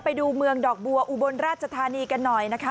ไปดูเมืองดอกบัวอุบลราชธานีกันหน่อยนะคะ